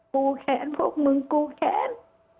กูแค้นพวกมึงกูแค้น